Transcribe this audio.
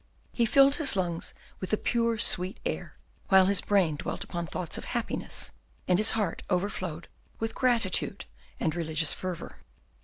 He filled his lungs with the pure, sweet air, while his brain dwelt upon thoughts of happiness, and his heart overflowed with gratitude and religious fervour.